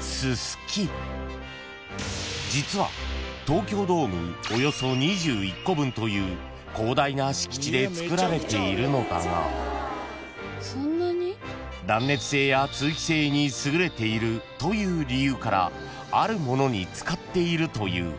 ［実は東京ドームおよそ２１個分という広大な敷地で作られているのだが断熱性や通気性に優れているという理由からあるものに使っているという］